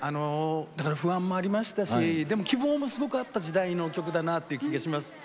だから不安もありましたしでも希望もすごくあった時代の曲だなっていう気がします。